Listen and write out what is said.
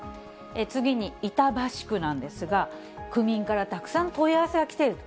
次に板橋区なんですが、区民からたくさん問い合わせが来ていると。